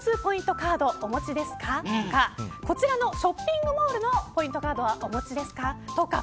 カードお持ちですかとかショッピングモールのポイントカードはお持ちですかとか。